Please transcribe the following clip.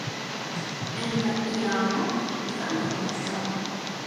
En la iama Granda Marĉo.